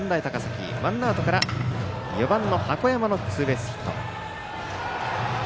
ワンアウトから４番の箱山のツーベースヒット。